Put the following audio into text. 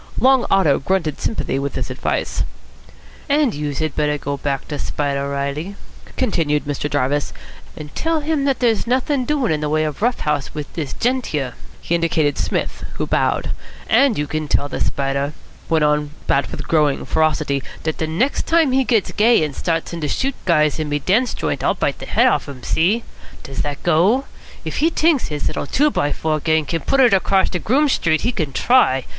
Long Otto grunted sympathy with this advice. "And youse had better go back to Spider Reilly," continued Mr. Jarvis, "and tell him that there's nothin' doin' in the way of rough house wit dis gent here." He indicated Psmith, who bowed. "And you can tell de Spider," went on Bat with growing ferocity, "dat next time he gits gay and starts in to shoot guys in me dance joint I'll bite de head off'n him. See? Does dat go? If he t'inks his little two by four gang can put it across de Groome Street, he can try.